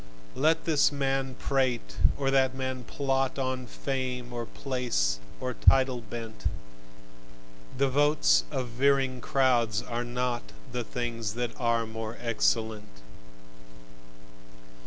Let this man prate and that man plot, On fame or place or title bent: The votes of veering crowds are not The things that are more excellent.